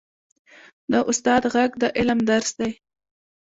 د استاد ږغ د علم درس دی.